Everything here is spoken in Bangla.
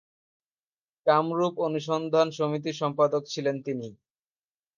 কামরুপ অনুসন্ধান সমিতির সম্পাদক ছিলেন তিনি।